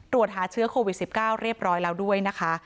ตรวจหาเชื้อโควิด๑๙เรียบร้อยแล้วด้วยนะคะ